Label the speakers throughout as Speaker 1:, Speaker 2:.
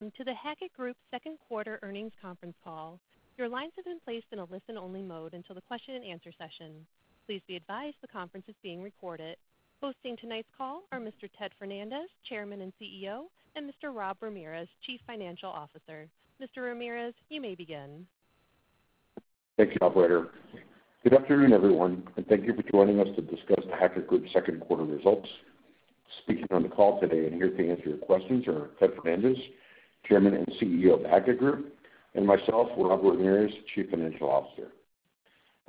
Speaker 1: Welcome to The Hackett Group second quarter earnings conference call. Your lines have been placed in a listen-only mode until the question-and-answer session. Please be advised the conference is being recorded. Hosting tonight's call are Mr. Ted Fernandez, Chairman and CEO, and Mr. Rob Ramirez, Chief Financial Officer. Mr. Ramirez, you may begin.
Speaker 2: Thank you, operator. Good afternoon, everyone, and thank you for joining us to discuss The Hackett Group's second quarter results. Speaking on the call today, here to answer your questions are Ted Fernandez, Chairman and CEO of The Hackett Group, and myself, Rob Ramirez, Chief Financial Officer.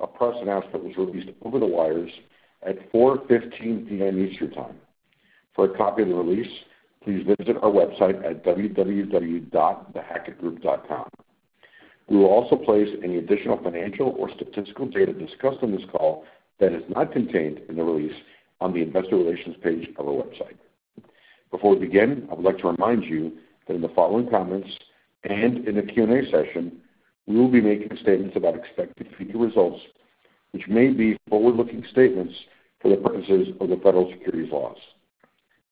Speaker 2: A press announcement was released over the wires at 4:15 P.M. Eastern Time. For a copy of the release, please visit our website at www.thehackettgroup.com. We will also place any additional financial or statistical data discussed on this call that is not contained in the release on the investor relations page of our website. Before we begin, I would like to remind you that in the following comments and in the Q&A session, we will be making statements about expected future results, which may be forward-looking statements for the purposes of the federal securities laws.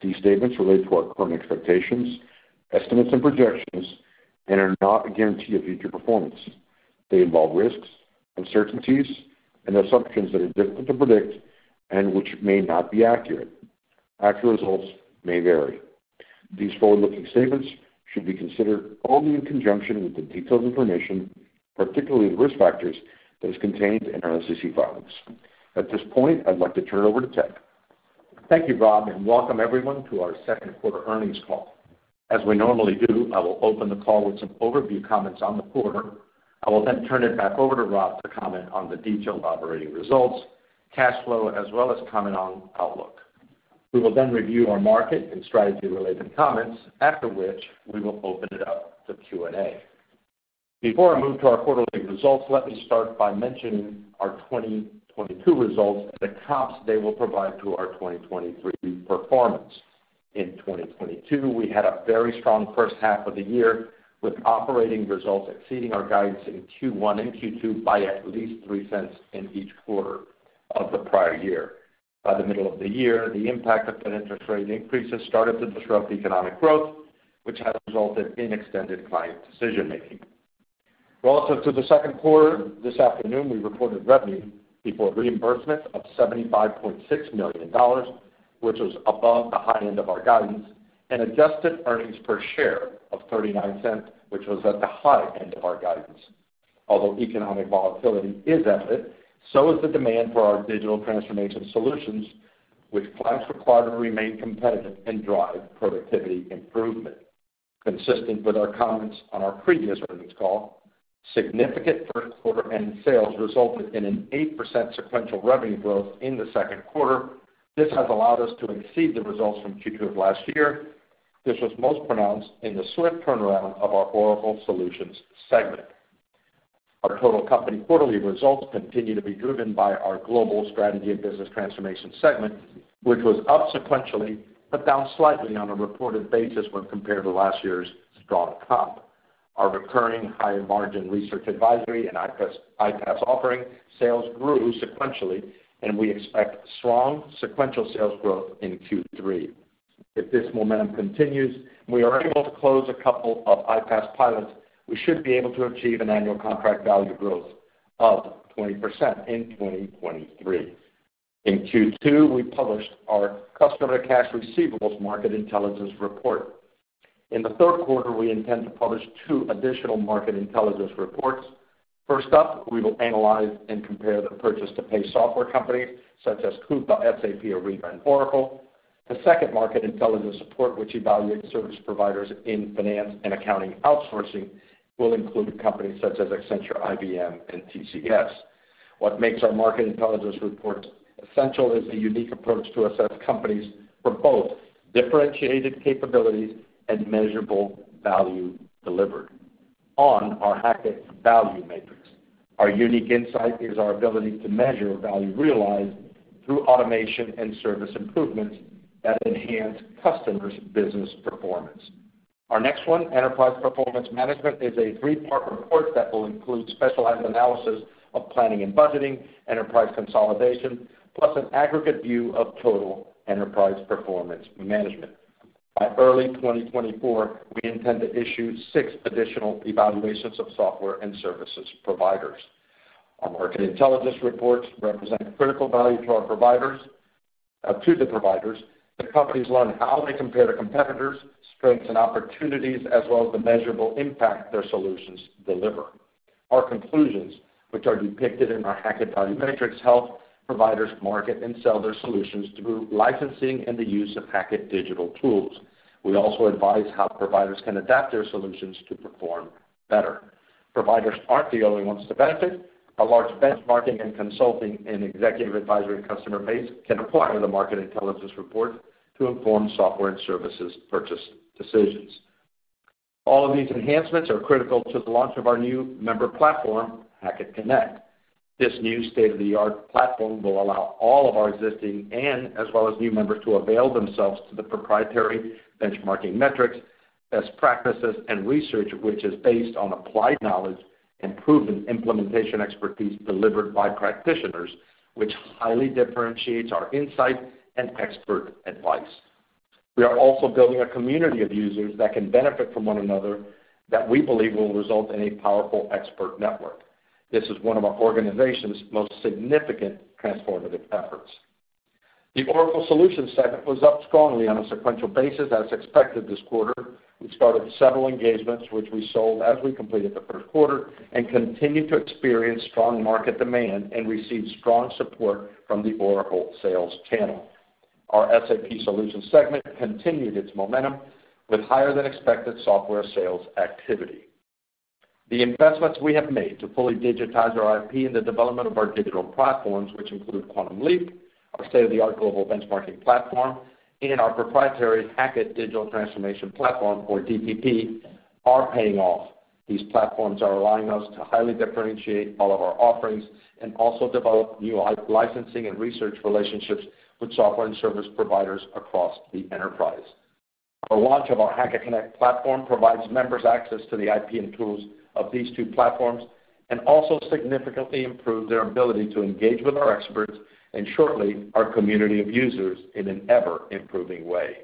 Speaker 2: These statements relate to our current expectations, estimates, and projections and are not a guarantee of future performance. They involve risks, uncertainties, and assumptions that are difficult to predict and which may not be accurate. Actual results may vary. These forward-looking statements should be considered only in conjunction with the detailed information, particularly the risk factors, that is contained in our SEC filings. At this point, I'd like to turn it over to Ted.
Speaker 3: Thank you, Rob, and welcome everyone to our second quarter earnings call. As we normally do, I will open the call with some overview comments on the quarter. I will then turn it back over to Rob to comment on the detailed operating results, cash flow, as well as comment on outlook. We will then review our market and strategy-related comments, after which we will open it up to Q&A. Before I move to our quarterly results, let me start by mentioning our 2022 results and the comps they will provide to our 2023 performance. In 2022, we had a very strong first half of the year, with operating results exceeding our guidance in Q1 and Q2 by at least $0.03 in each quarter of the prior year. By the middle of the year, the impact of interest rate increases started to disrupt economic growth, which has resulted in extended client decision-making. Relative to the second quarter, this afternoon, we recorded revenue before reimbursement of $75.6 million, which was above the high end of our guidance, and adjusted earnings per share of $0.39, which was at the high end of our guidance. Although economic volatility is evident, so is the demand for our digital transformation solutions, which clients require to remain competitive and drive productivity improvement. Consistent with our comments on our previous earnings call, significant first-quarter-end sales resulted in an 8% sequential revenue growth in the second quarter. This has allowed us to exceed the results from Q2 of last year. This was most pronounced in the swift turnaround of our Oracle Solutions segment. Our total company quarterly results continue to be driven by our Global Strategy and Business Transformation segment, which was up sequentially, down slightly on a reported basis when compared to last year's strong comp. Our recurring higher-margin research advisory and ICAS, ICAS offering sales grew sequentially, and we expect strong sequential sales growth in Q3. If this momentum continues, and we are able to close a couple of ICAS pilots, we should be able to achieve an annual contract value growth of 20% in 2023. In Q2, we published our Customer Cash Receivables Market Intelligence Report. In the third quarter, we intend to publish two additional Market Intelligence reports. First up, we will analyze and compare the purchase-to-pay software companies such as Coupa, SAP Ariba, and Oracle. The second Market Intelligence report, which evaluates service providers in finance and accounting outsourcing, will include companies such as Accenture, IBM, and TCS. What makes our Market Intelligence reports essential is the unique approach to assess companies for both differentiated capabilities and measurable value delivered on our Hackett Value Matrix. Our unique insight is our ability to measure value realized through automation and service improvements that enhance customers' business performance. Our next one, Enterprise Performance Management, is a three-part report that will include specialized analysis of planning and budgeting, enterprise consolidation, plus an aggregate view of total Enterprise Performance Management. By early 2024, we intend to issue six additional evaluations of software and services providers. Our Market Intelligence reports represent critical value to our providers, to the providers. The companies learn how they compare to competitors, strengths and opportunities, as well as the measurable impact their solutions deliver. Our conclusions, which are depicted in our Hackett Value Matrix, help providers market and sell their solutions through licensing and the use of Hackett digital tools. We also advise how providers can adapt their solutions to perform better. Providers aren't the only ones to benefit. A large benchmarking and consulting, and Executive Advisory customer base can apply the Market Intelligence report to inform software and services purchase decisions. All of these enhancements are critical to the launch of our new member platform, Hackett Connect. This new state-of-the-art platform will allow all of our existing and as well as new members to avail themselves to the proprietary benchmarking metrics, best practices, and research, which is based on applied knowledge and proven implementation expertise delivered by practitioners, which highly differentiates our insight and expert advice.... We are also building a community of users that can benefit from one another, that we believe will result in a powerful expert network. This is one of our organization's most significant transformative efforts. The Oracle Solutions segment was up strongly on a sequential basis, as expected this quarter. We started several engagements, which we sold as we completed the first quarter, and continued to experience strong market demand and received strong support from the Oracle sales channel. Our SAP Solutions segment continued its momentum with higher-than-expected software sales activity. The investments we have made to fully digitize our IP and the development of our digital platforms, which include Quantum Leap, our state-of-the-art global benchmarking platform, and our proprietary Hackett Digital Transformation Platform, or DTP, are paying off. These platforms are allowing us to highly differentiate all of our offerings and also develop new licensing and research relationships with software and service providers across the enterprise. Our launch of our Hackett Connect platform provides members access to the IP and tools of these two platforms, also significantly improve their ability to engage with our experts, and shortly, our community of users in an ever-improving way.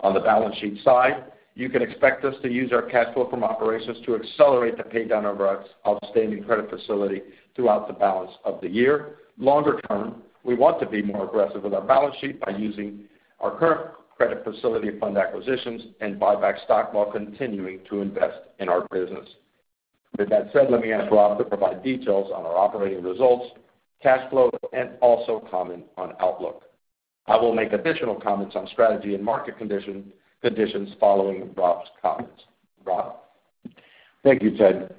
Speaker 3: On the balance sheet side, you can expect us to use our cash flow from operations to accelerate the pay down of our outstanding credit facility throughout the balance of the year. Longer term, we want to be more aggressive with our balance sheet by using our current credit facility to fund acquisitions and buy back stock while continuing to invest in our business. With that said, let me ask Rob to provide details on our operating results, cash flow, and also comment on outlook. I will make additional comments on strategy and market condition, conditions following Rob's comments. Rob?
Speaker 2: Thank you, Ted.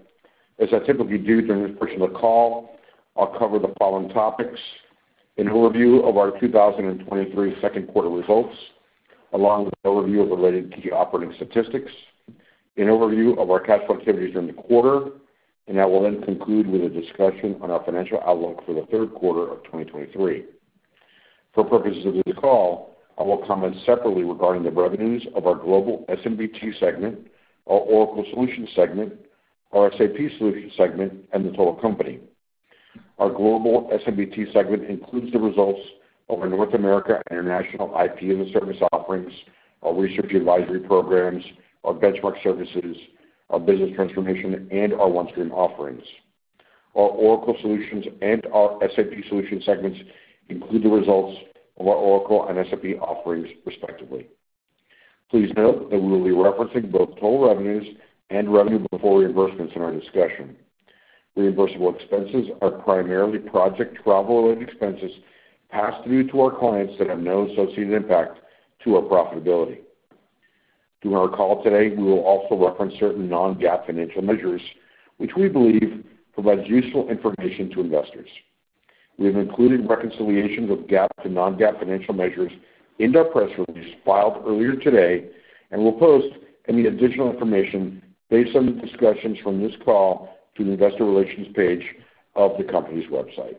Speaker 2: As I typically do during this portion of the call, I'll cover the following topics: an overview of our 2023 second quarter results, along with an overview of related key operating statistics, an overview of our cash flow activities during the quarter, I will then conclude with a discussion on our financial outlook for the third quarter of 2023. For purposes of this call, I will comment separately regarding the revenues of our Global S&BT segment, our Oracle Solutions segment, our SAP Solutions segment, and the total company. Our Global S&BT segment includes the results of our North America and international IP and the service offerings, our research advisory programs, our benchmark services, our business transformation, and our OneStream offerings. Our Oracle Solutions and our SAP Solutions segments include the results of our Oracle and SAP offerings, respectively. Please note that we will be referencing both total revenues and revenue before reimbursements in our discussion. Reimbursable expenses are primarily project travel-related expenses passed through to our clients that have no associated impact to our profitability. During our call today, we will also reference certain non-GAAP financial measures, which we believe provides useful information to investors. We have included reconciliations of GAAP to non-GAAP financial measures in our press release filed earlier today, and we'll post any additional information based on the discussions from this call to the investor relations page of the company's website.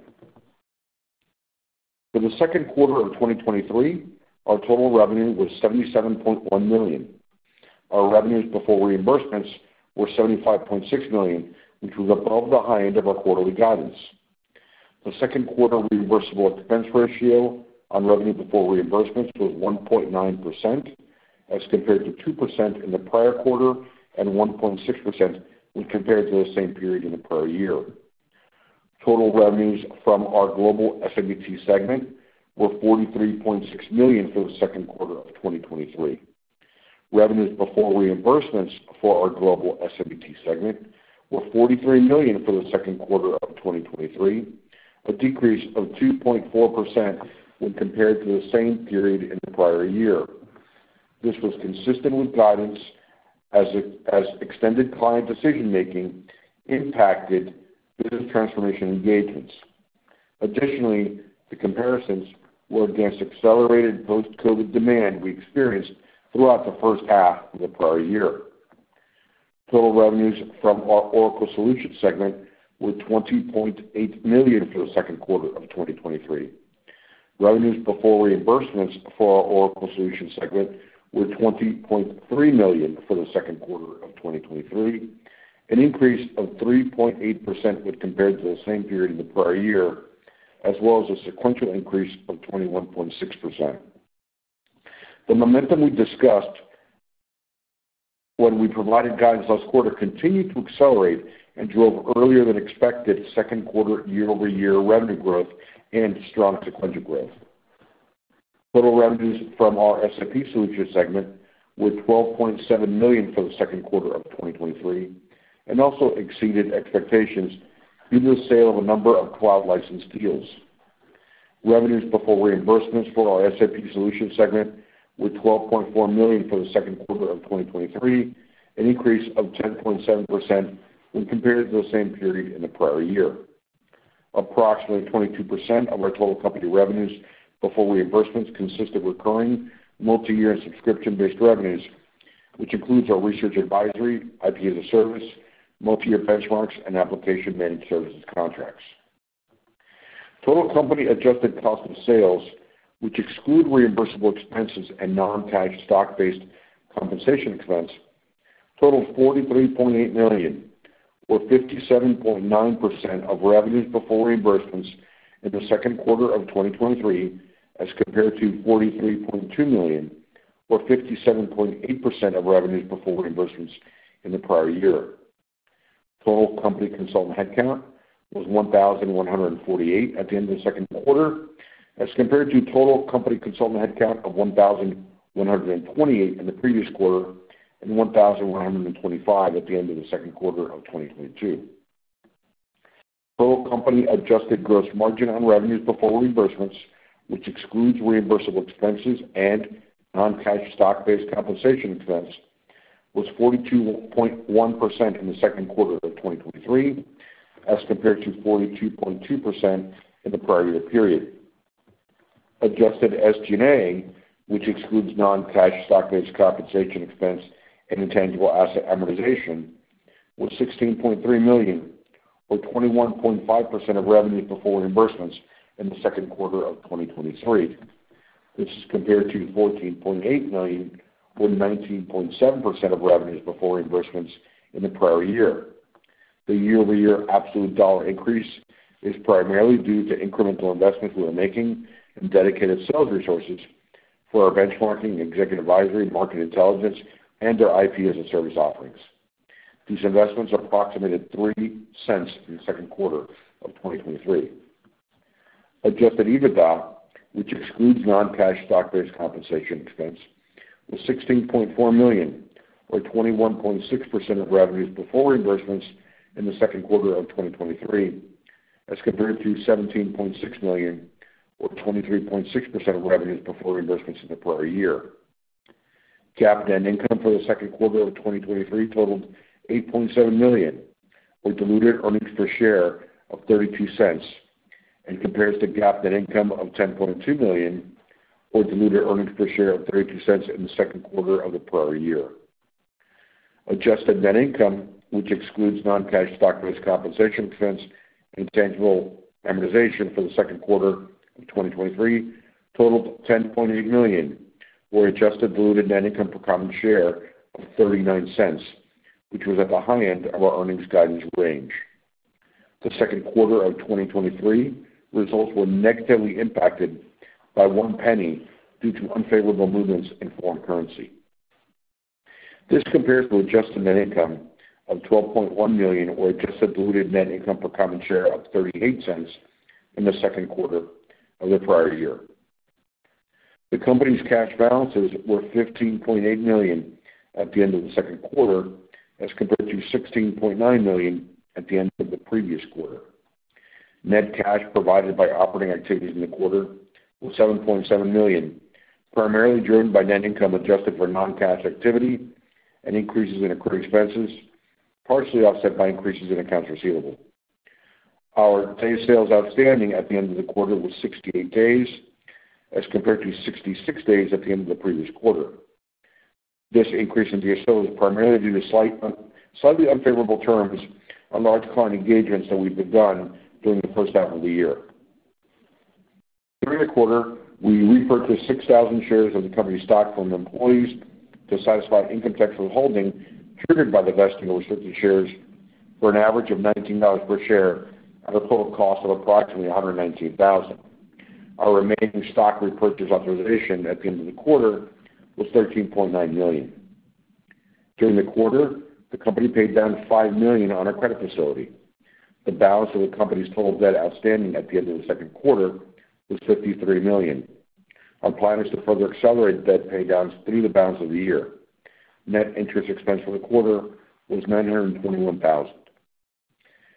Speaker 2: For the second quarter of 2023, our total revenue was $77.1 million. Our revenues before reimbursements were $75.6 million, which was above the high end of our quarterly guidance. The second quarter reimbursable expense ratio on revenue before reimbursements was 1.9%, as compared to 2% in the prior quarter, and 1.6% when compared to the same period in the prior year. Total revenues from our Global S&BT segment were $43.6 million for the second quarter of 2023. Revenues before reimbursements for our Global S&BT segment were $43 million for the second quarter of 2023, a decrease of 2.4% when compared to the same period in the prior year. This was consistent with guidance as extended client decision-making impacted business transformation engagements. Additionally, the comparisons were against accelerated post-COVID demand we experienced throughout the first half of the prior year. Total revenues from our Oracle Solutions segment were $20.8 million for the second quarter of 2023. Revenues before reimbursements for our Oracle Solutions segment were $20.3 million for the second quarter of 2023, an increase of 3.8% when compared to the same period in the prior year, as well as a sequential increase of 21.6%. The momentum we discussed when we provided guidance last quarter continued to accelerate and drove earlier than expected second quarter year-over-year revenue growth and strong sequential growth. Total revenues from our SAP Solutions segment were $12.7 million for the second quarter of 2023, and also exceeded expectations due to the sale of a number of cloud license deals. Revenues before reimbursements for our SAP Solutions segment were $12.4 million for the second quarter of 2023, an increase of 10.7% when compared to the same period in the prior year. Approximately 22% of our total company revenues before reimbursements consist of recurring, multi-year, and subscription-based revenues, which includes our research advisory, IP-as-a-service, multi-year benchmarks, and application managed services contracts. Total company adjusted cost of sales, which exclude reimbursable expenses and non-cash stock-based compensation expense totaled $43.8 million, or 57.9% of revenues before reimbursements in the second quarter of 2023, as compared to $43.2 million, or 57.8% of revenues before reimbursements in the prior year. Total company consultant headcount was 1,148 at the end of the second quarter, as compared to total company consultant headcount of 1,128 in the previous quarter, and 1,125 at the end of the second quarter of 2022. Total company adjusted gross margin on revenues before reimbursements, which excludes reimbursable expenses and non-cash stock-based compensation expense, was 42.1% in the second quarter of 2023, as compared to 42.2% in the prior year period. Adjusted SG&A, which excludes non-cash stock-based compensation expense and intangible asset amortization, was $16.3 million, or 21.5% of revenue before reimbursements in the second quarter of 2023. This is compared to $14.8 million, or 19.7% of revenues before reimbursements in the prior year. The year-over-year absolute dollar increase is primarily due to incremental investments we are making in dedicated sales resources for our Benchmarking, Executive Advisory, Market Intelligence, and our IP-as-a-service offerings. These investments approximated $0.03 in the second quarter of 2023. Adjusted EBITDA, which excludes non-cash stock-based compensation expense, was $16.4 million, or 21.6% of revenues before reimbursements in the second quarter of 2023, as compared to $17.6 million, or 23.6% of revenues before reimbursements in the prior year. GAAP net income for the second quarter of 2023 totaled $8.7 million, or diluted earnings per share of $0.32, compares to GAAP net income of $10.2 million, or diluted earnings per share of $0.32 in the second quarter of the prior year. Adjusted net income, which excludes non-cash stock-based compensation expense and tangible amortization for the second quarter of 2023, totaled $10.8 million, or adjusted diluted net income per common share of $0.39, which was at the high end of our earnings guidance range. The second quarter of 2023 results were negatively impacted by $0.01 due to unfavorable movements in foreign currency. This compares to adjusted net income of $12.1 million, or adjusted diluted net income per common share of $0.38 in the second quarter of the prior year. The company's cash balances were $15.8 million at the end of the second quarter, as compared to $16.9 million at the end of the previous quarter. Net cash provided by operating activities in the quarter was $7.7 million, primarily driven by net income adjusted for non-cash activity and increases in accrued expenses, partially offset by increases in accounts receivable. Our day sales outstanding at the end of the quarter was 68 days, as compared to 66 days at the end of the previous quarter. This increase in DSO was primarily due to slight, slightly unfavorable terms on large client engagements that we've begun during the first half of the year. During the quarter, we repurchased 6,000 shares of the company's stock from employees to satisfy income tax withholding, triggered by the vesting of restricted shares for an average of $19 per share at a total cost of approximately $119,000. Our remaining stock repurchase authorization at the end of the quarter was $13.9 million. During the quarter, the company paid down $5 million on our credit facility. The balance of the company's total debt outstanding at the end of the second quarter was $53 million. Our plan is to further accelerate debt paydowns through the balance of the year. Net interest expense for the quarter was $921,000.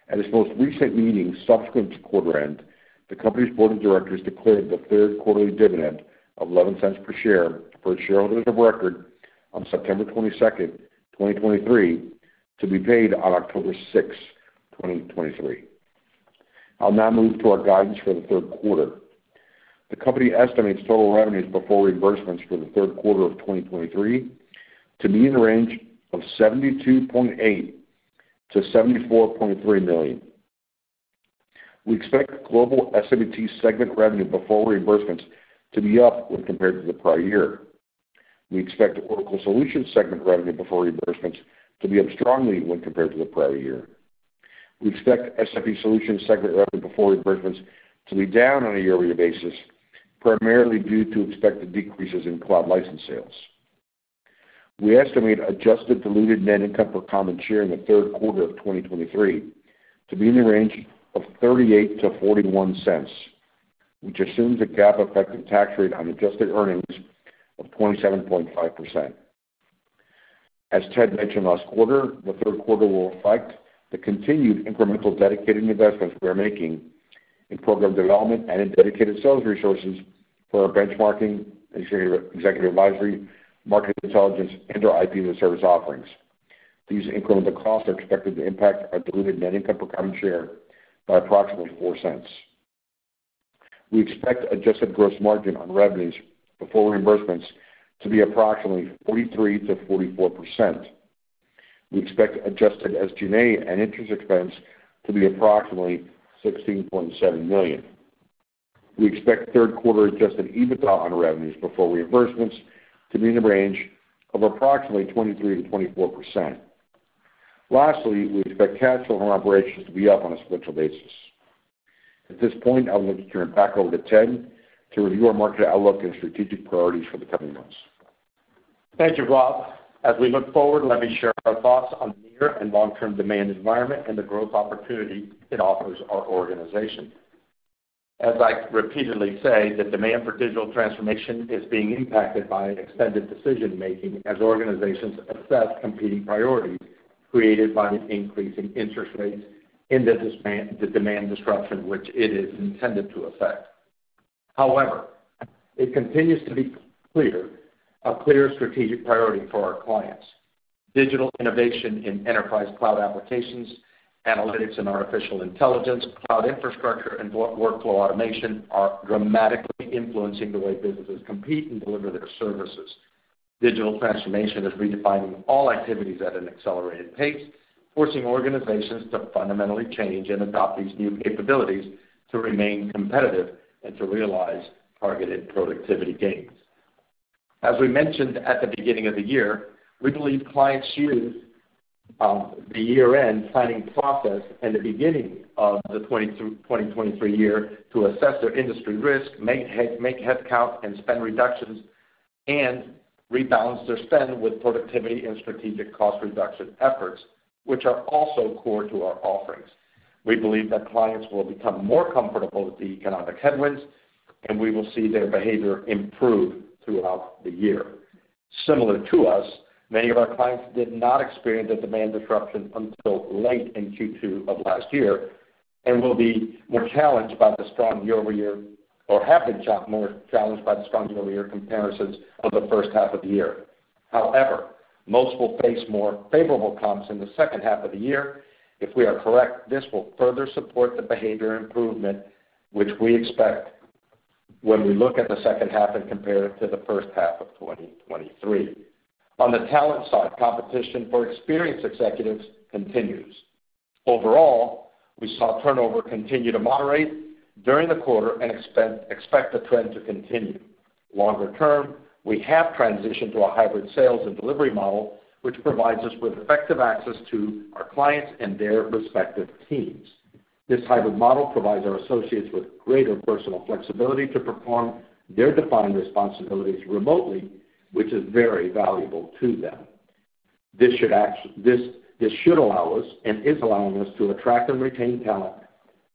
Speaker 2: At its most recent meeting, subsequent to quarter-end, the company's board of directors declared the 3rd quarterly dividend of $0.11 per share for shareholders of record on September 22nd, 2023, to be paid on October 6th, 2023. I'll now move to our guidance for the 3rd quarter. The company estimates total revenues before reimbursements for the 3rd quarter of 2023 to be in the range of $72.8 million-$74.3 million. We expect Global S&BT segment revenue before reimbursements to be up when compared to the prior year. We expect Oracle Solutions segment revenue before reimbursements to be up strongly when compared to the prior year. We expect SAP Solutions segment revenue before reimbursements to be down on a year-over-year basis, primarily due to expected decreases in cloud license sales. We estimate adjusted diluted net income per common share in the third quarter of 2023 to be in the range of $0.38-$0.41, which assumes a GAAP effective tax rate on adjusted earnings of 27.5%. As Ted mentioned last quarter, the third quarter will reflect the continued incremental dedicated investments we are making in program development and in dedicated sales resources for our Benchmarking, Executive, Executive Advisory, Market Intelligence, and our IP-as-a-service offerings. These incremental costs are expected to impact our diluted net income per common share by approximately $0.04. We expect adjusted gross margin on revenues before reimbursements to be approximately 43%-44%. We expect adjusted SG&A and interest expense to be approximately $16.7 million. We expect third quarter adjusted EBITDA on revenues before reimbursements to be in the range of approximately 23%-24%. Lastly, we expect cash flow from operations to be up on a sequential basis. At this point, I will turn it back over to Ted to review our market outlook and strategic priorities for the coming months.
Speaker 3: Thank you, Rob. As we look forward, let me share our thoughts on the near and long-term demand environment and the growth opportunity it offers our organization. As I repeatedly say, the demand for digital transformation is being impacted by an extended decision-making as organizations assess competing priorities created by increasing interest rates and the demand disruption, which it is intended to affect. It continues to be clear, a clear strategic priority for our clients. Digital innovation in enterprise cloud applications, analytics and artificial intelligence, cloud infrastructure, and workflow automation are dramatically influencing the way businesses compete and deliver their services. Digital transformation is redefining all activities at an accelerated pace, forcing organizations to fundamentally change and adopt these new capabilities to remain competitive and to realize targeted productivity gains. As we mentioned at the beginning of the year, we believe clients use the year-end planning process and the beginning of the 2023 year to assess their industry risk, make headcount and spend reductions, and rebalance their spend with productivity and strategic cost reduction efforts, which are also core to our offerings. We believe that clients will become more comfortable with the economic headwinds. We will see their behavior improve throughout the year. Similar to us, many of our clients did not experience a demand disruption until late in Q2 of last year and will be more challenged by the strong year-over-year, or have been more challenged by the strong year-over-year comparisons of the first half of the year. However, most will face more favorable comps in the second half of the year. If we are correct, this will further support the behavior improvement, which we expect when we look at the second half and compare it to the first half of 2023. On the talent side, competition for experienced executives continues. Overall, we saw turnover continue to moderate during the quarter and expect the trend to continue. Longer term, we have transitioned to a hybrid sales and delivery model, which provides us with effective access to our clients and their respective teams. This hybrid model provides our associates with greater personal flexibility to perform their defined responsibilities remotely, which is very valuable to them. This should allow us and is allowing us to attract and retain talent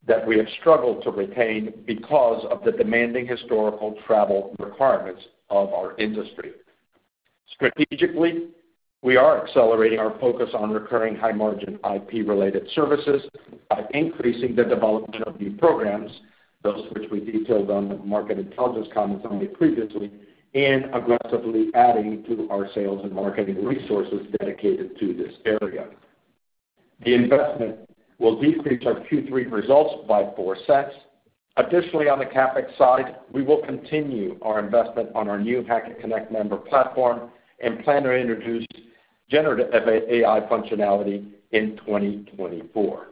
Speaker 3: that we have struggled to retain because of the demanding historical travel requirements of our industry. Strategically, we are accelerating our focus on recurring high-margin IP-related services by increasing the development of new programs, those which we detailed on the Market Intelligence comments only previously, and aggressively adding to our sales and marketing resources dedicated to this area. The investment will decrease our Q3 results by $0.04. Additionally, on the CapEx side, we will continue our investment on our new Hackett Connect member platform and plan to introduce generative AI functionality in 2024.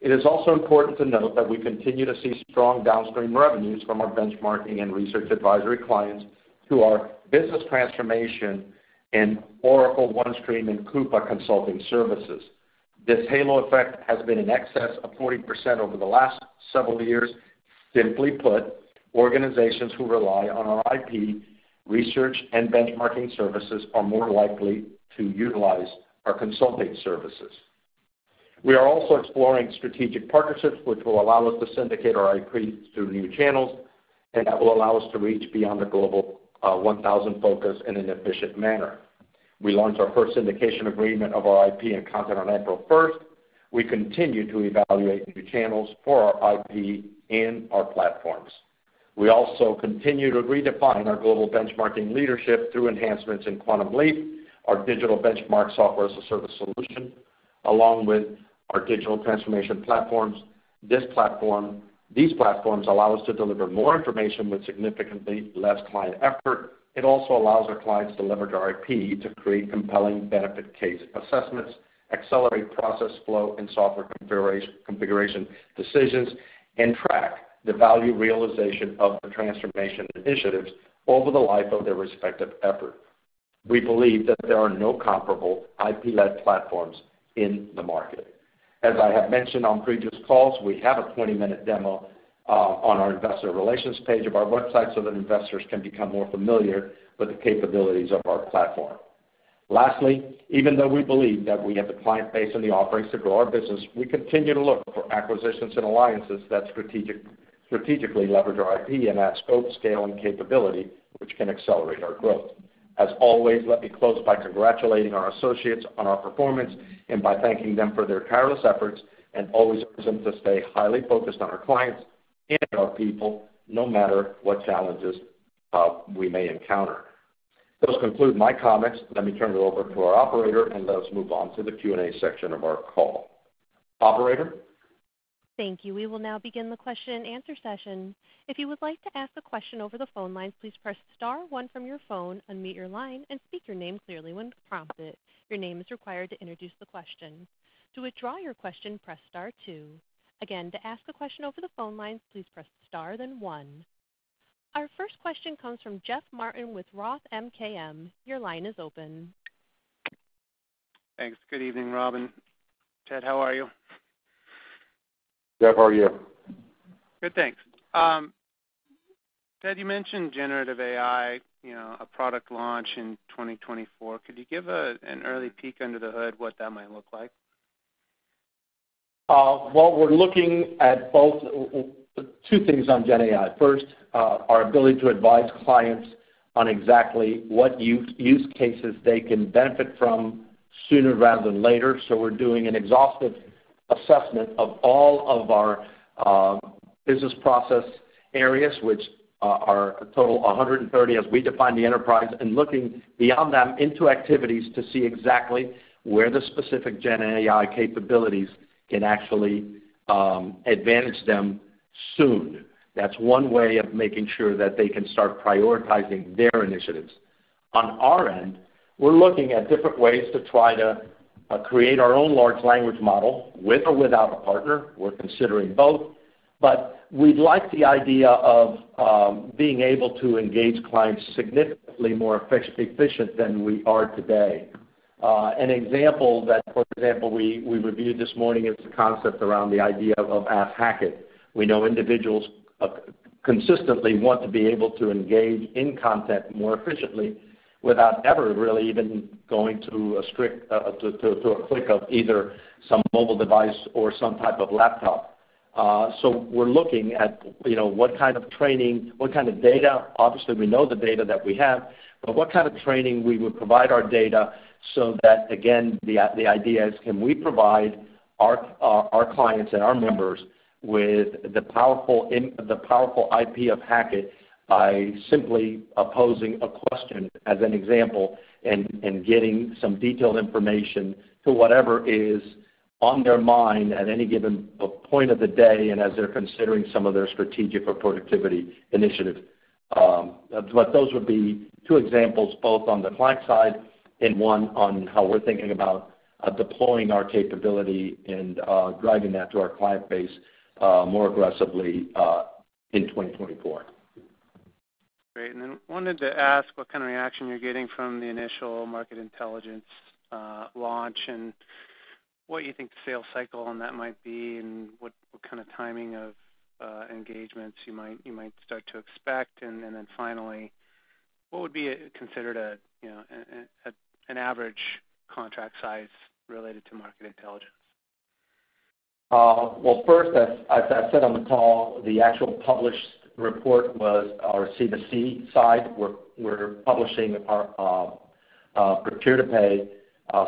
Speaker 3: It is also important to note that we continue to see strong downstream revenues from our benchmarking and research advisory clients to our business transformation and Oracle, OneStream and Coupa consulting services. This halo effect has been in excess of 40% over the last several years. Simply put, organizations who rely on our IP, research, and benchmarking services are more likely to utilize our consulting services. We are also exploring strategic partnerships, which will allow us to syndicate our IP through new channels, and that will allow us to reach beyond the global 1,000 focus in an efficient manner. We launched our first syndication agreement of our IP and content on April first. We continue to evaluate new channels for our IP and our platforms. We also continue to redefine our global benchmarking leadership through enhancements in Quantum Leap, our digital benchmark software as a service solution, along with our Digital Transformation Platforms. These Platforms allow us to deliver more information with significantly less client effort. It also allows our clients to leverage our IP to create compelling benefit case assessments, accelerate process flow and software configuration decisions, and track the value realization of the transformation initiatives over the life of their respective effort. We believe that there are no comparable IP-led platforms in the market. As I have mentioned on previous calls, we have a 20-minute demo on our investor relations page of our website so that investors can become more familiar with the capabilities of our platform. Lastly, even though we believe that we have the client base and the offerings to grow our business, we continue to look for acquisitions and alliances that strategically leverage our IP and add scope, scale, and capability, which can accelerate our growth. As always, let me close by congratulating our associates on our performance and by thanking them for their tireless efforts, and always urging them to stay highly focused on our clients and our people, no matter what challenges we may encounter. Those conclude my comments. Let me turn it over to our operator, and let us move on to the Q&A section of our call. Operator?
Speaker 1: Thank you. We will now begin the question and answer session. If you would like to ask a question over the phone lines, please press star one from your phone, unmute your line, and speak your name clearly when prompted. Your name is required to introduce the question. To withdraw your question, press star two. Again, to ask a question over the phone lines, please press star, then one. Our first question comes from Jeff Martin with ROTH MKM. Your line is open.
Speaker 4: Thanks. Good evening, Robin. Ted, how are you?
Speaker 3: Jeff, how are you?
Speaker 4: Good, thanks. Ted Fernandez, you mentioned Generative AI, you know, a product launch in 2024. Could you give a, an early peek under the hood, what that might look like?
Speaker 3: Well, we're looking at both two things on Gen AI. First, our ability to advise clients on exactly what use cases they can benefit from sooner rather than later. We're doing an exhaustive assessment of all of our business process areas, which are a total of 130 as we define the enterprise, and looking beyond them into activities to see exactly where the specific Gen AI capabilities can actually advantage them soon. That's one way of making sure that they can start prioritizing their initiatives. On our end, we're looking at different ways to try to create our own large language model, with or without a partner. We're considering both. We like the idea of being able to engage clients significantly more efficient, efficient than we are today. An example that, for example, we, we reviewed this morning, is the concept around the idea of Ask Hackett. We know individuals consistently want to be able to engage in content more efficiently without ever really even going to a strict to, to, to a click of either some mobile device or some type of laptop. We're looking at, you know, what kind of training, what kind of data. Obviously, we know the data that we have, but what kind of training we would provide our data so that, again, the idea is: can we provide our clients and our members with the powerful the powerful IP of Hackett by simply opposing a question, as an example, and getting some detailed information to whatever is on their mind at any given point of the day and as they're considering some of their strategic or productivity initiatives? Those would be two examples, both on the client side and one on how we're thinking about deploying our capability and driving that to our client base more aggressively in 2024.
Speaker 4: Great. wanted to ask what kind of reaction you're getting from the initial Market Intelligence launch, and what you think the sales cycle on that might be, and what, what kind of timing of engagements you might, you might start to expect. And then finally, what would be considered a, you know, an, an, an average contract size related to Market Intelligence?
Speaker 3: Well, first, as, as I said on the call, the actual published report was our C2C side. We're, we're publishing our purchase-to-pay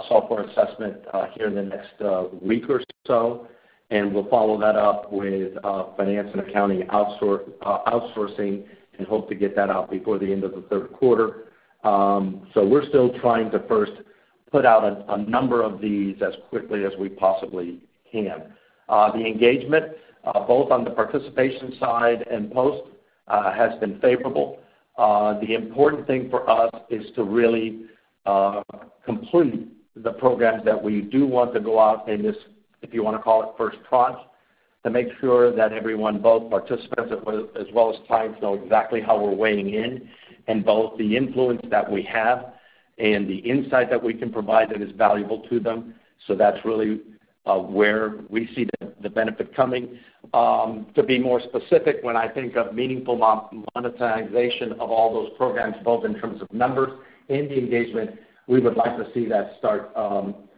Speaker 3: software assessment here in the next week or so, and we'll follow that up with finance and accounting outsourcing, and hope to get that out before the end of the third quarter. We're still trying to first put out a number of these as quickly as we possibly can. The engagement, both on the participation side and post, has been favorable. The important thing for us is to really, complete the programs that we do want to go out in this, if you want to call it first tranche, to make sure that everyone, both participants as well, as well as clients, know exactly how we're weighing in, and both the influence that we have and the insight that we can provide that is valuable to them. So that's really, where we see the, the benefit coming. To be more specific, when I think of meaningful monetization of all those programs, both in terms of numbers and the engagement, we would like to see that start,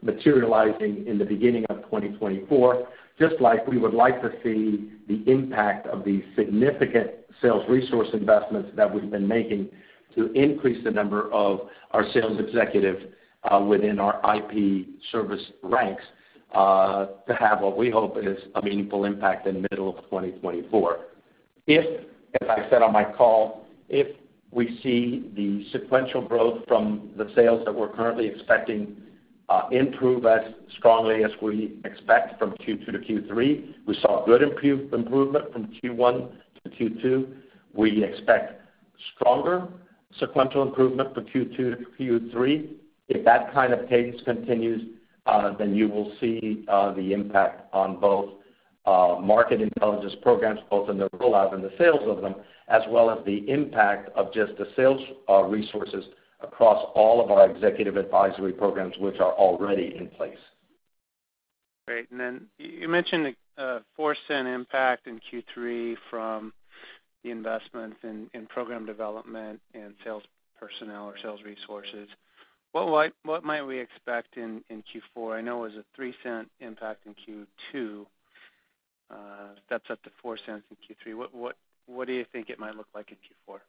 Speaker 3: materializing in the beginning of 2024. Just like we would like to see the impact of the significant sales resource investments that we've been making to increase the number of our sales executive within our IP service ranks to have what we hope is a meaningful impact in the middle of 2024. If, as I said on my call, if we see the sequential growth from the sales that we're currently expecting, improve as strongly as we expect from Q2 to Q3, we saw good improvement from Q1 to Q2. We expect stronger sequential improvement from Q2 to Q3. If that kind of pace continues, then you will see the impact on both Market Intelligence programs, both in the roll out and the sales of them, as well as the impact of just the sales resources across all of our Executive Advisory programs, which are already in place.
Speaker 4: Great. You, you mentioned the $0.04 impact in Q3 from the investments in program development and sales personnel or sales resources. What might we expect in Q4? I know it was a $0.03 impact in Q2. That's up to $0.04 in Q3. What do you think it might look like in Q4?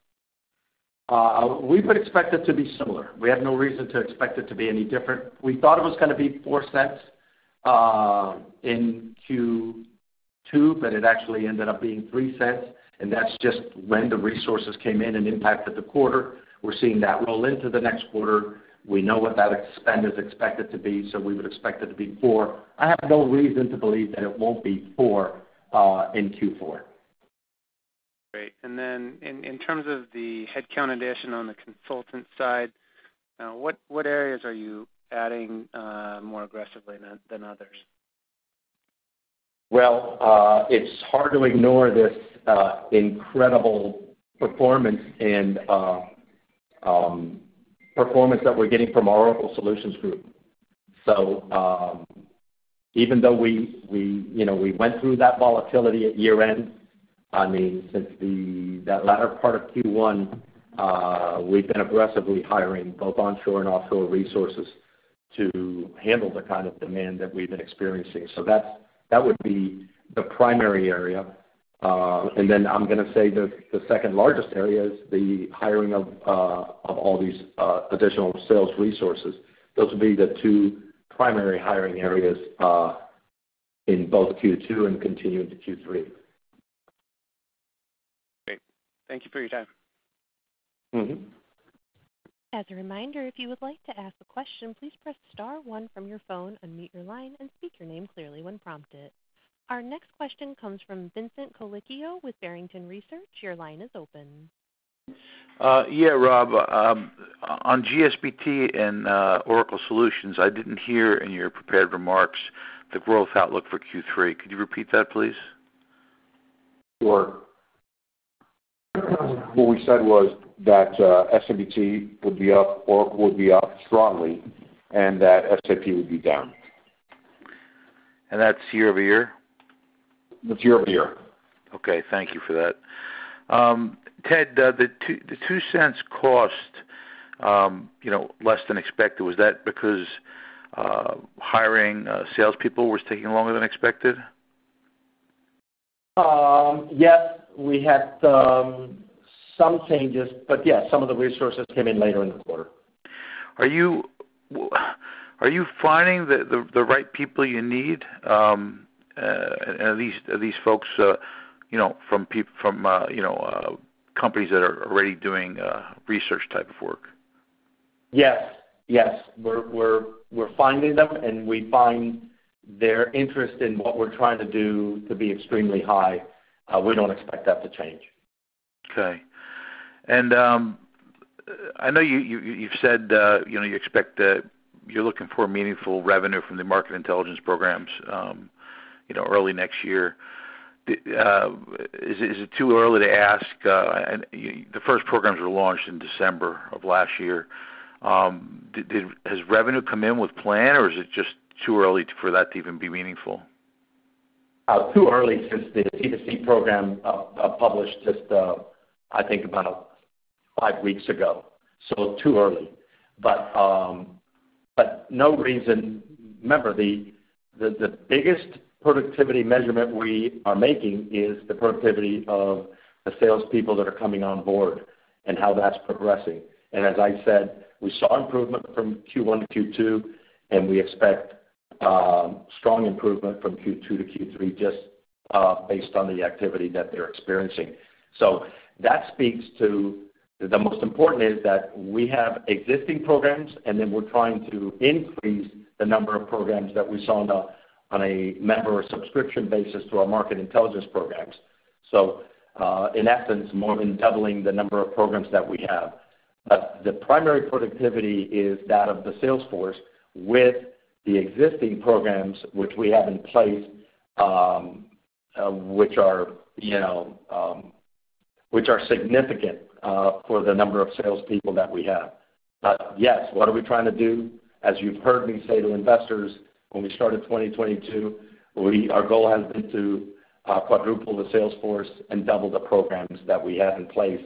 Speaker 3: We would expect it to be similar. We have no reason to expect it to be any different. We thought it was gonna be $0.04 in Q2, but it actually ended up being $0.03, and that's just when the resources came in and impacted the quarter. We're seeing that roll into the next quarter. We know what that expend is expected to be, so we would expect it to be $0.04. I have no reason to believe that it won't be $0.04 in Q4.
Speaker 4: Great. Then in, in terms of the headcount addition on the consultant side, what, what areas are you adding more aggressively than, than others?
Speaker 3: Well, it's hard to ignore this incredible performance and performance that we're getting from our Oracle Solutions group. Even though we, we, you know, we went through that volatility at year-end, I mean, since the, that latter part of Q1, we've been aggressively hiring both onshore and offshore resources to handle the kind of demand that we've been experiencing. That's- that would be the primary area. I'm gonna say the, the second largest area is the hiring of all these additional sales resources. Those would be the two primary hiring areas in both Q2 and continuing to Q3.
Speaker 2: Great. Thank you for your time.
Speaker 3: Mm-hmm.
Speaker 1: As a reminder, if you would like to ask a question, please press star one from your phone, unmute your line, and speak your name clearly when prompted. Our next question comes from Vincent Colicchio with Barrington Research. Your line is open.
Speaker 5: Yeah, Rob, on GSBT and Oracle Solutions, I didn't hear in your prepared remarks the growth outlook for Q3. Could you repeat that, please?
Speaker 3: Sure. What we said was that, S&BT would be up or would be up strongly, and that SAP would be down.
Speaker 5: That's year-over-year?
Speaker 3: That's year-over-year.
Speaker 5: Okay, thank you for that. Ted, the $0.02 cost, you know, less than expected, was that because hiring salespeople was taking longer than expected?
Speaker 3: Yes, we had some changes, but yes, some of the resources came in later in the quarter.
Speaker 5: Are you, are you finding the, the, the right people you need, and are these, are these folks, you know, from from, you know, companies that are already doing, research type of work?
Speaker 3: Yes, yes. We're, we're, we're finding them, and we find their interest in what we're trying to do to be extremely high. We don't expect that to change.
Speaker 5: Okay. I know you, you, you've said, you know, you expect that you're looking for meaningful revenue from the Market Intelligence programs, you know, early next year. Is it, is it too early to ask? The first programs were launched in December of last year. Has revenue come in with plan, or is it just too early for that to even be meaningful?
Speaker 3: Too early, since the C2C program published just, I think about five weeks ago, so too early. No reason. Remember, the, the, the biggest productivity measurement we are making is the productivity of the salespeople that are coming on board and how that's progressing. As I said, we saw improvement from Q1 to Q2, and we expect strong improvement from Q2 to Q3, just based on the activity that they're experiencing. That speaks to the most important is that we have existing programs, and then we're trying to increase the number of programs that we sell on a member or subscription basis to our Market Intelligence programs. In essence, more than doubling the number of programs that we have. The primary productivity is that of the sales force with the existing programs which we have in place, you know, which are significant for the number of salespeople that we have. Yes, what are we trying to do? As you've heard me say to investors when we started 2022, our goal has been to quadruple the sales force and double the programs that we have in place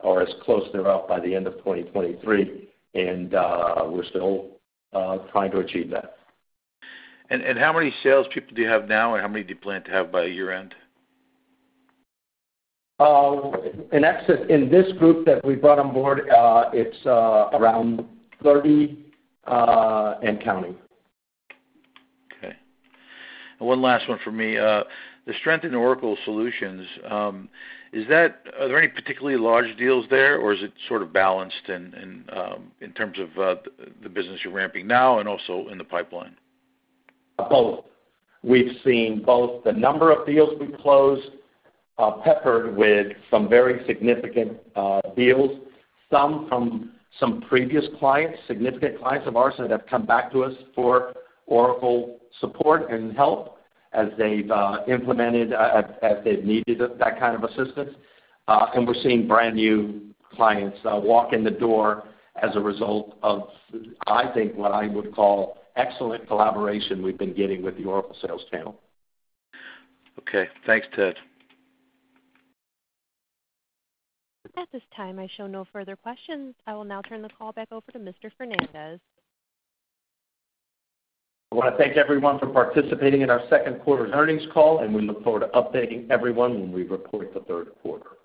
Speaker 3: or as close to about by the end of 2023, and we're still trying to achieve that.
Speaker 5: And how many salespeople do you have now, and how many do you plan to have by year-end?
Speaker 3: In excess, in this group that we brought on board, it's, around 30, and counting.
Speaker 5: Okay. One last one for me. The strength in Oracle Solutions, are there any particularly large deals there, or is it sort of balanced in terms of the business you're ramping now and also in the pipeline?
Speaker 3: Both. We've seen both the number of deals we've closed, peppered with some very significant deals, some from some previous clients, significant clients of ours, that have come back to us for Oracle support and help as they've implemented, as they've needed that kind of assistance. We're seeing brand-new clients walk in the door as a result of, I think, what I would call excellent collaboration we've been getting with the Oracle sales channel.
Speaker 5: Okay. Thanks, Ted.
Speaker 1: At this time, I show no further questions. I will now turn the call back over to Mr. Fernandez.
Speaker 3: I wanna thank everyone for participating in our second quarter earnings call, and we look forward to updating everyone when we report the third quarter.